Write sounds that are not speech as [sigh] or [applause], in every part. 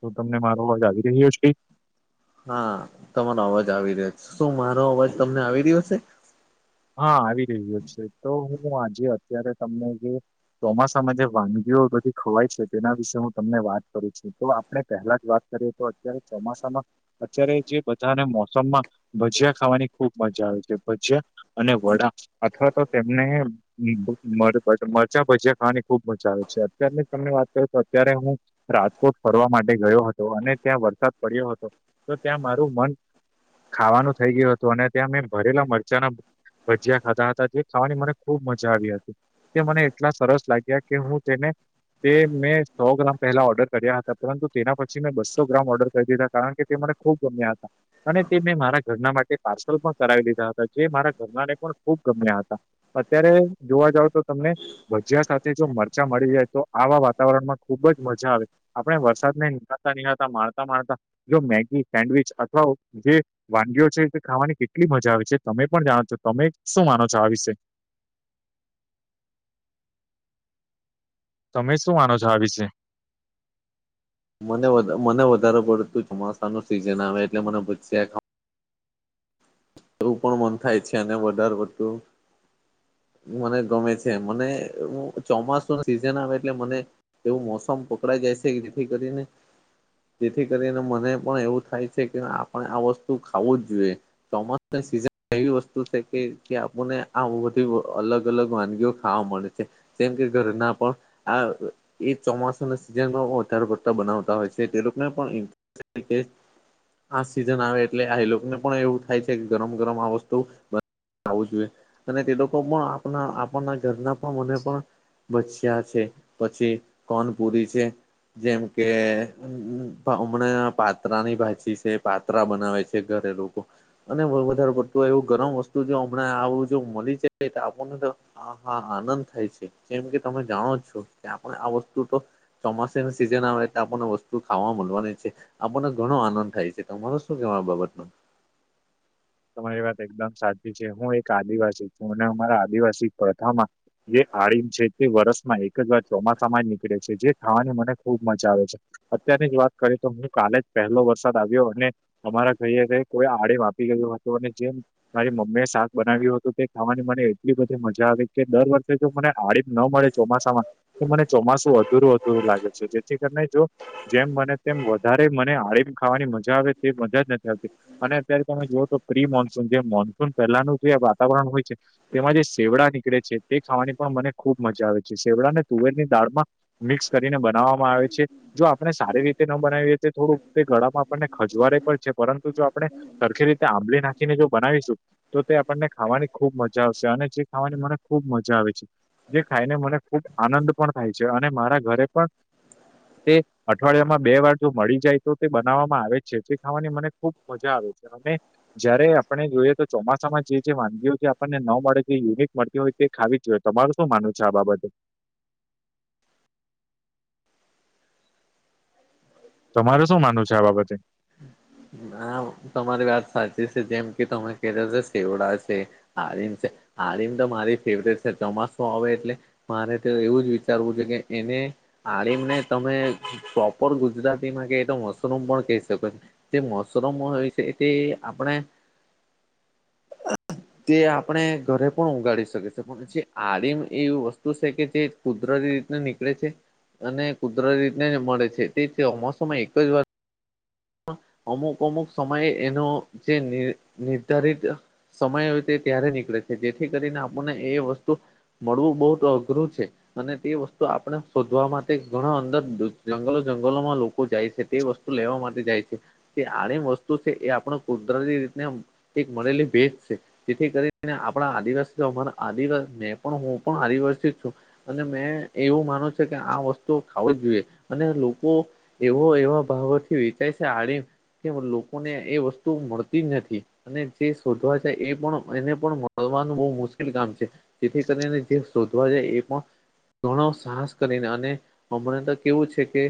તો તમને મારો અવાજ આવી રહ્યો હશે હા તમારો અવાજ આવી રહ્યો છે શું મારો અવાજ તમને આવી રહ્યો છે હા આવી રહ્યો છે તો હું આજે અત્યારે તમને જે ચોમાસામાં જે વાનગીઓ બધી ખવાય છે તેના વિશે હું તમને વાત કરું છું તો આપણે પહેલા જ વાત કરીએ તો અત્યારે ચોમાસામાં અત્યારે જે બધાને મોસમમાં ભજીયા ખાવાની ખુબ મજા આવે છે ભજીયા અને વડા અથવા તો તેમને મરચા ભજીયા ખાવાની ખુબ મજા આવે છે અત્યની તમને વાત કરીું તો અત્યારે હું રાજકોટ ફરવા માટે ગયો હતો અને ત્યાં વરસાદ પડ્યો હતો તો ત્યાં મારું મન ખાવાનું થઈ ગયું હતું અને ત્યાં મેં ભરેલા મરચાના ભજીયા ખાતા હતા જે ખાવાની મને ખુબ મજા આવી હતી તે મને એટલા સરસ લાગ્યા કે હું તેને તે મેં સો ગ્રામ પહેલા ઓર્ડર કર્યા હતા પરંતુ તેના પછી મેં બસ્સો ગ્રામ ઓર્ડર કરી દીધા કારણ કે તે મને ખુબ ગમ્યા હતા અને તે મેં મારા ઘરના માટે પાર્સલ પણ કરાવી લીધા હતા જે મારા કરરનારે પણ ખુબ ગમ્યા હતા અત્યારે જોવા જાવ તો તમને ભજીયા સાથે જો મરચાં મળી જાય તો આવા વાતાવરણમાં ખુબ જ મજા આવે આપડણે વરસાદ ને નિહળતા નીહાળતા મારતા મારતા જો મેગી સેન્ડવીિચ અથવા જે વાનગીઓ છે તે ખાવાની કેટલી મજા આવે છે તમે પણ જાણો તો તમે શું માનો છો આ વિશે તમે શું માનો છો આ વિશે મને મને વધારે પડતું ચોમાસા નું સીઝન આવે એટલે મને બ એવું પણ મન થાય છે અને બાર બતું મને ગમે છે મને ચોમાસું સીઝન આવે એટલે મને એવું મોસમ પકડાઈ જાય છે જેથી કરીને જેથી કરીને મને પણ એવું થાય છે કે આપણે આ વસ્તુ ખાવું જ જોઈએ ચોમાસ સીઝન એવી વસ્તુ છે કે જે આપણને આ બધી અલગ અલગ વાનગીઓ ખાવા મળે છે તેમમ કે ઘરે ના પણ આ એ ચોમાસાના સીઝન વધારો કરતા બનાવતા હોય છે તે લોકોને પણ આ સિઝન આવે એટલે આ લોકોને પણ એવું થાય ગરમ ગરમ આ વસ્તુ આવું જોઈએ, અને તે લોકો પણ આપના આપણના ઘરના પણ મને પણ બછિયા છે, પછી કોનપુરી છે. જેમ કે હમણાં પાત્રાની ભાજી છે. પાતરા બનાવે છે ઘરે લોકો. અને વધારે પડતું એવું ગરમ વસ્તુ જો હમણાં આવું જો મળી જાય તો આપણને તો હા હા આનંદ થાય છે, કેમ કે તમે જાણો છો, કે આપણે આ વસ્તુ તો ચોમાસા ન સિઝન આવેટ આપણને વસ્તુ ખાવા મળવાની છે. આપણને ઘણો આનંદ થાય છે તમારો શું કેવા આ બાબતમાં? તમારી વાત એકદમ સાચી છે હું એક આદિવાસી છું અને અમારા આદિવાસી પ્રથામાં જે આળીમ છે તે વરષમાં એક જ વાર ચોમાસામાં જ નીકળે છે જે થાવાની મને ખુબ મજા આવે છે. અત્યારની જ વાત કરીએ તો હું કાલે જ પહેલો વરસાદ આવ્યો અને અમારા ઘઈ કોઈ આડે માપી ગયો હતું અને જેમ મારી મમ્મી એ શાક બનાવ્યું હતું તે ખાવાની મને એટલી બધી મજા આવી કે દર વર્ષે જો મને આલિમ ના મળે. ચોમાસામાં, મને ચોમાસું અધુરું અધુરું લાગે છે જેથી કરીને જો જેમ બને તેમ વધારે મને આરીમ ખાવાની મજા આવે તે મજા જ નથી આવતી. અને અત્યારે તમે જોઓ તો પ્રિ મોન્સૂન જે મોન્સૂન પહેલાનું જે વાતાવરણ હોય છે. તેમાં જે શેવડા નીકળે છે તે ખાવાની પણ મને ખુબ મજા આવે છે શેવડાને તુવેરની દાળમાં મિક્સ કરીને બનાવવામાં આવે છે. જો આપણે સારી રીતે ન બનાવીએ તો થોડુંક તે ગળામાં આપણને ખજવારે પણ છે પરંતુ જો આપણે સરખી રીતે આંબલી નાખીને જો બનાવીશું. તો તે આપણને ખાવાની ખુબ મજા આવશે અને જે ખાવાની મને ખુબ મજા આવે છે. જે ખાઈને મને ખૂબ આનંદ પણ થાય છે અને મારા ઘરે પણ, તે અઠવાડિયામાં બે વાર જો મળી જાય તો તે બનાવવામાં આવે જ છે જે ખાવાની મને ખુબ મજા આવે છે, અમે જયારે આપણે જોઈએ તો ચોમાસામાં જે વાનગીઓ જે આપણને ન મળે જે યુનિટ મળતી હોય. તે ખાવી જો હોય તમારું શું માનુંવ છે આ બાબતે? તમારે શું માનું છે આ બાબતે? હ તમારી વાત સાચી છે જેમ કે તમે કે્યો છે સેવડાશે. આળીમ છે, આળીમ તો મારી ફેવરેટ છે ચોમાસું આવે એટલે મારે તો એવું જ વિચારવું છે કે એને આળીમને તમે પ્રોપર ગુજરાતીમાં ક તો મશરૂમ પણ કહી શકો એમ. જે મશરમો હોય છે તે આપણે તે આપણે ઘરે પણ ઉગાડી શકી છે પણ જે આડીમ એવી વસ્તુ છે કે જે કુદરતી રીત નીકળે છે, અને કુદરતી રીતેને મળે છે તે ચોમોસમાં એક જ વાર અમુક અમુક સમયે એનો જે નિર્ધારિત સમય હો તે ત્યારે નીકળે છે જેથી કરીને આપણને એ વસ્તુ મળવું બહુ જ અઘરું છે. અને તે વસ્તુ આપણે શોધવા માટે ઘણા અંદર જંગલો જંગલોમાં લોકો જાય છે. તે વસ્તુ લેવા માટે જાય છે, તે આમ વસ્તુ છે એ આપણે કુદરતી રીતના એક મળેલી ભેટ છે. જેથી કરીને આપણા આદિવાસી તોમારા આદવાસી પણ હું પણ આદિવાસી છું. અને મેં એવું માનું છું. કે આ વસ્તુ ખાવુ જ જોઈએ, અને લોકો એવો એવા ભાવોથી ખાઈ છે આ કે લોકોને એ વસ્તુ મળતી જ નથી. અને જે શોધવા જાય એ પણ એને પણ મળવાનું બહુ મુશ્કેલ કામ છે. જેથી કરીને જે શોધવા જાય એ પણ ઘણો સાહસ કરીને અને, હમણાં તો કેવું છે કે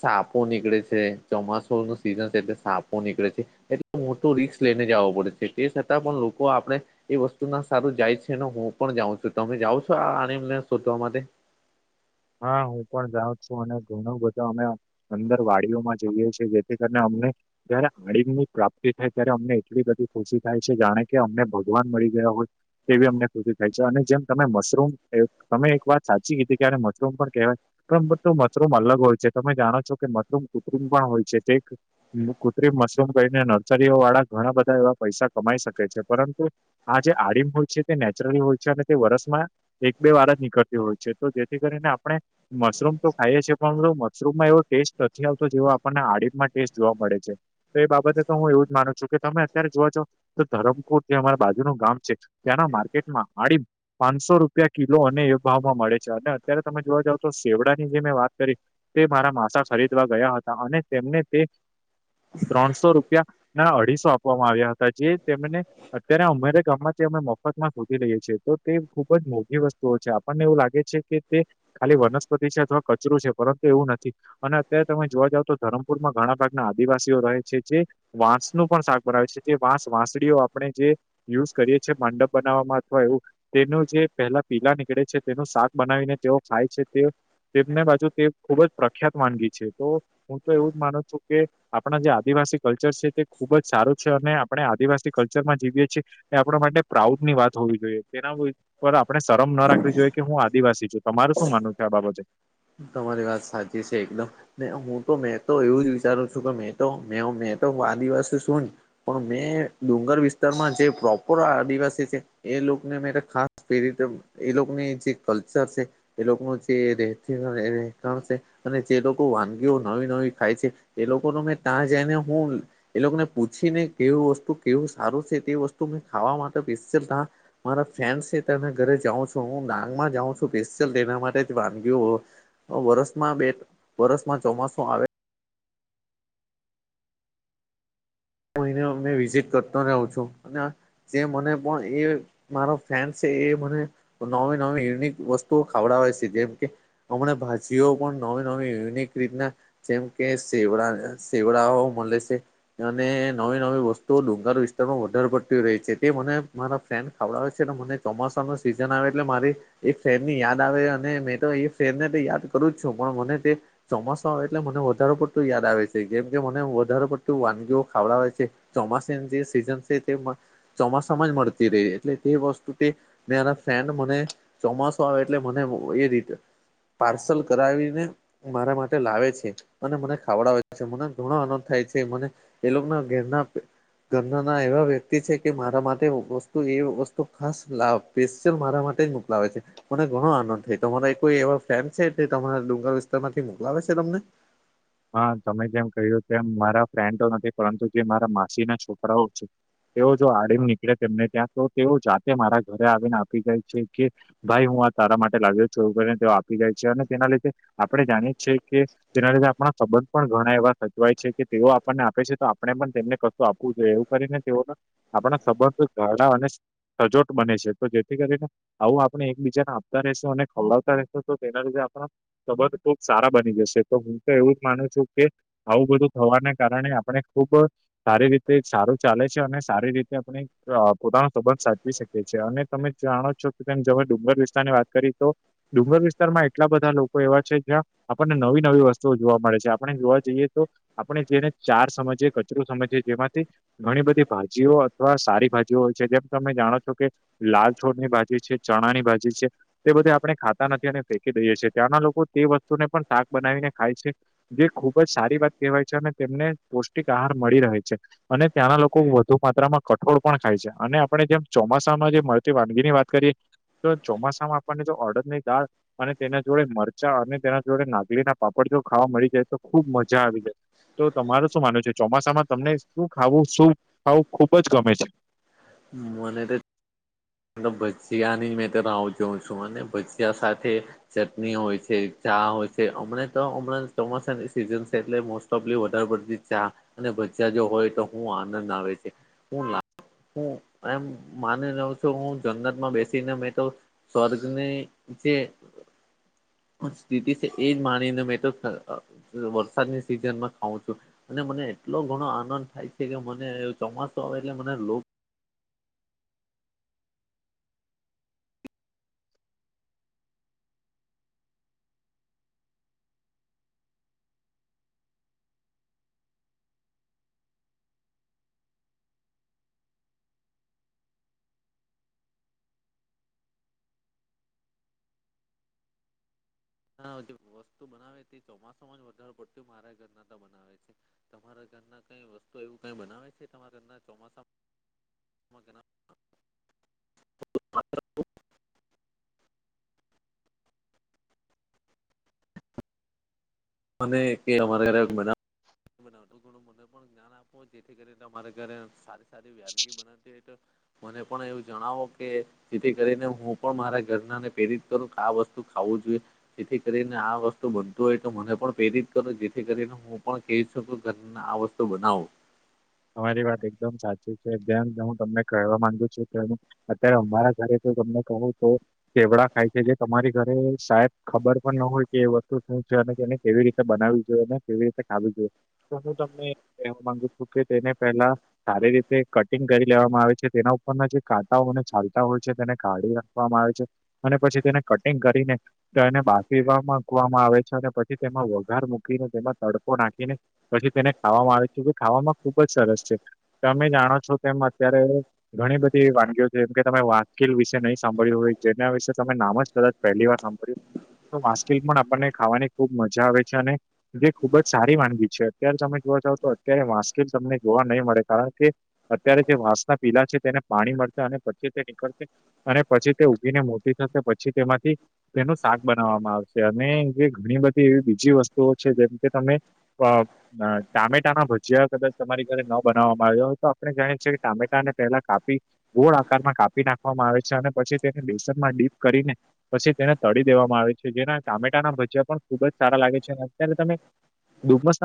સાપો નીકળે છે ચોમાસુ નું સિઝન છે એટલે સાપો નીકળે છે. એટલે મોટું રિસ્ક લઈને જવો પડે છે તે છતાં પણ લોકો આપણે એ વસ્તુ ના સારું જાય છે ને હું પણ જાઉં છું તમે જાઉં છો આને શોધવા માટે? હા હું પણ જાઉં છું અને ઘણું બધું અમે અંદર વાડીઓ માં જઈએ જેથી કરીને અમને જયારે આણીંદની પ્રાપ્તિ થાય ત્યારે અમને એટલી બધી ખુશી થાય છે જાણે કે અમને ભગવાન મળી ગયા હોય. તેવી અમને ખુશી થાય છે અને જેમ તમે મશરૂમ તમે એક વાત સાચી કીધી કે હમ પણ કહેવાય તો મશરૂમ અલગ હોય છે તમે જાણો છો કે મશરૂમ કૃત્રિમ પણ હોય છે તે કૃત્રિમ મશરૂમ કરીને નર્સરીઓ વાળા ઘણા બધા એવા પૈસા કમાઈ શકે છે પરંતુ આ જે આડીમ હોય છે તે નેચરલ હોય છે. અને તે વરસમાં એક બે વાર જ નીકળતી હોય છે તો. જે કરીને આપણે મશરૂમ તો ખાઈએ છીએ પણ મશરૂમમાં એવો ટેસ્ટ નથી આવતો જેવો આપણને આડડીમાં ટેસ્ટ જોવા મળે છે. તો એ બાબતે તો હું એવું જ માનું છું કે તમે અત્યારે જોવા જાવ તો તો ધરમપુર જે અમારા બાજુનું ગામ છે ત્યાંના માર્કેટમાં હડી [inaudible] પાંચસો રૂપિયા કિલો અને એ ભાવમાં મળે છે અને અત્યારે તમે જોવા જાવ તો શેવડાની જે મેં વાત કરી. તે મારા માસા ખરીદવા ગયા હતા અને તેમને તે ત્રણસો રૂપિયા ના અઢીસો આપવામાં આવ્યા હતા જે તેમને અત્યારે અમેરે ગામમાંથી અમે મફતમાં ફોધટી રઈએ છીએ તો તે ખુબ જ મોઘી વસ્તુઓ છે. આપણને એવું લાગે છે કે તે ખાલી વનસ્પતિ છે અથવા કચરું છે પરંતુ એવું નથી. અને અત્યારે તમે જોવા જાવ તો ધરમપુરમાં ઘણા ભાગના આદિવાસીઓ રહે છે જે વાંસનું પણ શાક બનાવે છે જે વાસ વાંસડીઓ આપણે જે યુઝ કરીએ છીએ માંડપ બનાવવામાં અથવા એવું તેનું જે પહેલા પીલા નીકળે છે તેનું શાક બનાવીને તેઓ ખાય છે તે. તેમને બાજુ તે ખુબ જ પ્રખ્યાત વાનગી છે તો હું તો એવું જ માનું છું કે આપણા જે આદિવાસી કલ્ચર છે તે ખુબ જ સારું છે અને આપણે આદિવાસી કલ્ચરમાં જીવીએ છીએ. એ આપણા માટે પ્રાઉડ ની વાત હોવી જોઈએ. તેના ઉપ આપણે શરમ ના રાખવી જોઈએ કે હું આદિવાસી છું. તમાર શું માનવું છે આ બાબતે? તમારી વાત સાચી છે એકદમ. હું તો મેં તો એવું જ વિચારું છું કે મે તો મે મે તો આદિવાસી શું પણ મેં ડુંગર વિસ્તારમાં જે પ્રોપર આદિવાસી છે. એ લોકોને ખાસ પ્રેરિત એ લોકોની જે કલ્ચર છે એ લોકોનું જે ગણ [inaudible] અને જે લોકો વાનગીઓ નવી નવી ખાય છે. એ લોકો ન મેં ત્યાં જઈને હું એ લોકોને પૂછી ને કેવું વસ્તુ કેવું સારું છે તે વસ્તુ મે ખાવા માટે મારા ફ્રેન્ડ છેના ઘરે જાઉં છું હું ડાંગમાં જાઉં છું સ્પેશિયલ તેના માટે જ વાનગી હો વરસમાં બે વરસમાં ચોમાસું આવે હું એને અ વિઝિટ કરતો રહું છું અને જે મને પણ એ મારો ફેન છે એ મને તો નવી નવી યુનિક વસ્તુઓ ખાવડાવે છે જેમ કે હમણાં ભાજીઓ પણ નવી નવી યુનિક રીતના જેમ કે સેવડા સેવડાઓ મળે છે. અને નવી નવી વસ્તુઓ ડુંગાર વિસ્તારમાં વધારે પડતી રહી છે તે મને મારા ફ્રેન્ડ ખાવડાવે છે. અને મને ચોમાસામાં સિઝન આવે એટલે મારી એક ફ્રેન્ડની યાદ આવે અને મેં તો એ ફન્ડને યાદ કરું જ છું પણ મને તે ચોમાસા આવે એટલે મને વધારે પડતું યાદ આવે છે કેમ કે મને વધારે પડતું વાનગી ખાવડાવે છે ચોમાસાની જે સિઝન છે તે ચોમાસામાં જ મળતી રહી એટલે તે વસ્તુ તે ફ્રેન્ડમને ચોમાસું આવે એટલે મને એ રીતે પાર્સલ કરાવીને મારા માટે લાવે છે અને મને ખાવડાવે છે મને ઘણો આનંદ થાય છે મને એ લોકો ના ઘેરના ઘરના ના એવા વ્યક્તિ છે કે મારા માટે વસ્તુ એ વસ્તુ ખાસ લાભ સ્પેશિયલ મારા માટે જ મોકલાવે છે મને ઘણો આનંદ થાય તમારા કોઈ એવા ફેન છે તમારા ડુંગર વિસ્તાર માંથી મોકલાવે છે તમને હા તમે જેમ કહ્યું તેમ મારા ફ્રેન્ડ તો નથી પરંતુ જે મારા માસી ના છોકરાઓ છે તેઓ જો આડીમ નીકળે તેમને ત્યાં તો તેઓ જાતે મારા ઘરે આવીને આપી જાય છે કે ભાઈ હું આ તારા માટે લાગ્યો છો કરીને તેઓ આપી જાય છે અને તેના લીધે આપડે જાણીએ છીએ કે તેના લીધ આપણા સંબંધ પણ ઘણા એવા સચવાય છે કે તેઓ આપણને આપે છે તો આપણે પણ તેમને કશું આપવું જોઈએ એવું કરીને તેઓ આપણા સંબંધ ગાડા અને સજોટ બને છે તો જેથી કરીને આવું આપણે એકબીજાને આપતા રશો અને ખવડાવતા રહેશો તો તેના લીધે આપડા કબર બહબ સારા બની જશે તો હું તો એવું જ માનું છું કે આવું બધું થવાને કારણે આપણે ખુબ સારી રીતે સારું ચાલે છે અને સારી રીતે આપણે પોતાનો સંબંધ સાચવી શકે છે અને તમે જાણો છો કે ડુંગર વિસ્તારની વાત કરી તો ડુંગર વિસ્તારમાં એટલા બધા લોકો એવા છે જ્યાં આપણને નવી નવી વસ્તુ જોવા મળે છે આપણે જોવા જઈએ તો આપણે જેને ચાર સમજીએ કચરો સમજીએ જેમાંથી ઘણી બધી ભાજીઓ અથવા સારી ભાજીઓ હોય છે જેમ તમે જાણો છો કે લાલ છોર ની ભાજી છે ચણા ની ભાજી છે તે બધે આપણે ખાતા નથી અને ફેંકી દઈએ છીએ ત્યાંના લોકો તે વસ્તુને પણ શાક બનાવીને ખાય છે જે ખુબ જ સારી વાત કહેવાય છે અને તેમને પૌષ્ટિક આહાર મળી રહે છે અને ત્યાંના લોકો વધુ માત્રામાં કઠોળ પણ ખાય છે અને આપણે જેમ ચોમાસામાં જે મળતી વાનગી ની વાત કરીએ તો ચોમાસા માં આપણને જો અડદની દાળ અને તેના જોડે મરચાં અને તેના જોડે નાગલી ના પાપડ જો ખાવા મળી જાય તો ખુબ મજા આવી જાય તો તમાર શું માન છે ચોમાસામાં તમને શું ખાવું શું ખાવું ખુબ જ ગમે છે હ મને તો તો ભજીયા ની મેં તો રાહું જોઉં છું અને ભજીયા સાથે ચટણી હોય છે ચા હોય છે અમ તો હમણાં ચોમાસાની સિઝન છે એટલે મો લી વધારે પતી ચા અને ભજીયા જો હોય તો હું આનંદ આવે છે હું હું એમ માની રહ્યો હું જનત માં બેસીને મેં તો સ્વર્ગની જે સ્થિતિ છે એજ માનીને મેં તો વરસાદની સિઝનમાં ખઉં છું અને મને એટલો ઘણો આનંદ થાય છે કે મને ચોમાસો આવે એટલે મનેગ હા જે વસ્તુ બનાવે તે ચોમાસ માં જ વધારે પડત મારા ઘર નાતા બનાવે છે તમારા ઘરના કઈ વસ્તુ એવું કઈ બનાવે છે તમારા ઘના ચોમાસા મને કે અમારા ઘરે ઘું મને પણ જ્ઞાન આપો જેથી કરીને તમારે ઘરે સારી સારી વાનગી બનાવતી હોય તો મને પણ એવું જણાવો કે જેથી કરીને હું પણ મારા ઘરના ને પ્રેરિત કરું કે આ વસ્તુ ખાવું જોઈએ જેથી કરીને આ વસ્તુ બનતું હોય તો મને પણ પ્રેરિત કરો જેથી કરીને હું પણ ક છું કે ઘર આ વસ્તુ બનાવું તમારી વાત એકદમ સાચી છેન હું તમને કહેવા માંગુ છું કે અત્યારે અમારા ઘરે તો તમને કહું તો કેવડા ખાય છે જે તમારી ઘરે શાયદ ખબર પણ ન હોય કે એ વસ્તુ શું છે અને એને કેવી રીતે બનાવી જોઈએ કેવી રીતે ખાવવી જોઈએ તો હું તમને એવા માંગુ છું કે તેને પહેલા સારી રીતે કટિંગ કરી લેવામાં આવે છે તેના ઉપરના જે કાંટાઓ મને ચાલતા હોય છે તેને કાઢી વામાં આવે છે અને પછી તેને કટિંગ કરીને તો એને બાફ મકવામાં આવે છે અને પછી તેમાં વઘાર મૂકીને તેમાં તડકો નાખીને પછી તેને ખાવામાં આવે છે કે ખાવામાં ખુબ જ સરસ છે તમે જાણો છો તેમ અત્યારે ઘણી બધી વાનગીઓ છે જેમ કે તમે વાકીલ વિશે નહીં સાંભળ્યું હોય જેના વિશે તમે નામ જ કદાચ પહેલી વાર સાંભળ્યું તો માસ્ટલ પણ આપણને ખાવાની ખુબ મજા આવે છે અને જે ખુબ જ સારી વાનગી છે અત્યારે તમે જોવા જાવ તો અત્યારે માસ્કેલ તમને જોવા નહીં મળે કારણ કે અત્યારે જે વાંસના પીલા છે તેને પાણી મળશે અને પછી તે નીકળશે અને પછી તે ઉઊગીને મોટી થશે પછી તેમાંથી તેનું શાક બનાવવામાં આવશે અને જે ઘણી બધી એવી બીજી વસ્તુઓ છે જેમ કે તમે અ ટામેટા ના ભજયા કદ તમારી ઘરે ન બનાવવામાં આવ્યો હોય તો આપણે જાણીએ છી કે ટામેટાને પહેલા કાપી ગોળ આકારમાં કાપી નાખવામાં આવે છે અને પછી તેને દસનમાં ડીપ કરીને પછી તેને તળી દેવામાં આવે છે જેના ટામેટાના ભજયા પણ ખુબ જ સારા લાગે છે અને અત્યારે તમે ડૂપમસ